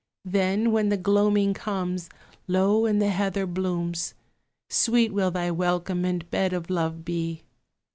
Then, when the gloaming comes, Low in the heather blooms, Sweet will thy welcome and bed of love be!